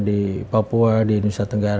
di papua di nusa tenggara